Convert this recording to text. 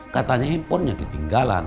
katanya handphone nya ketinggalan